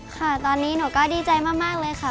ค่ะตอนนี้หนูก็ดีใจมากเลยค่ะ